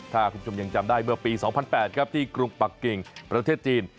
ถ้าคุณผู้ชมยังจำได้เมื่อปี๒๐๐๘ครับที่กรุงปักกิ่งประเทศจีน